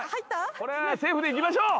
これセーフでいきましょう。